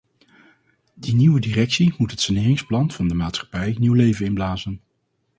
Die nieuwe directie moet het saneringsplan van de maatschappij nieuw leven inblazen.